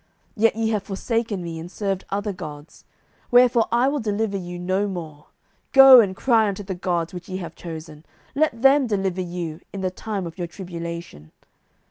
07:010:013 Yet ye have forsaken me, and served other gods: wherefore I will deliver you no more. 07:010:014 Go and cry unto the gods which ye have chosen; let them deliver you in the time of your tribulation.